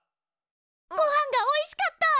ごはんがおいしかった！